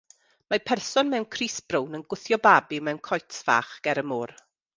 Mae person mewn crys brown yn gwthio babi mewn coets fach ger y môr.